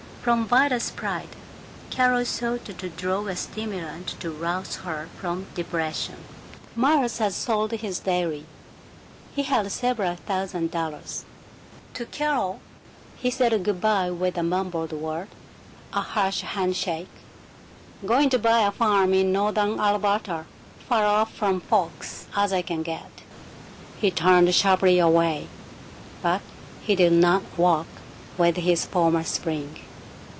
From Vida's pride Carol sought to draw a stimulant to rouse her from depression. Miles had sold his dairy. He had several thousand dollars. To Carol he said good by with a mumbled word, a harsh hand shake, "Going to buy a farm in northern Alberta far off from folks as I can get." He turned sharply away, but he did not walk with his former spring.